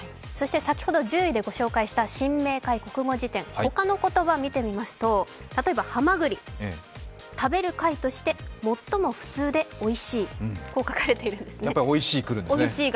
そして先ほど１０位でご紹介した新明解国語辞典、他の言葉、見てみますと例えばはまぐり、食べる貝として最も普通でおいしいと書かれているんですね。